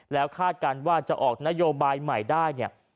แล้วคาดการณ์ว่าจะออกนโยบายใหม่ได้เนี่ย